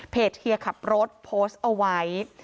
เฮียขับรถโพสต์เอาไว้